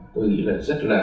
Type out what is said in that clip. tôi nghĩ là rất là